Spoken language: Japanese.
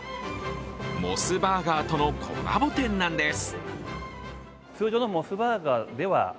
モスバーガーとのコラボ店なんです。